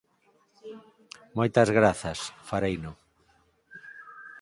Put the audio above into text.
Moitas grazas. Fareino.